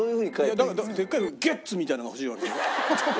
だからでっかい「ゲッツ！」みたいのが欲しいわけでしょ。